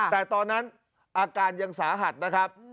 แต่ตอนนั้นอาการยังสาหัสนะครับ